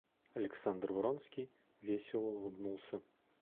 Александр Вронский весело улыбнулся.